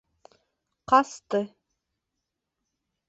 — Ҡасты.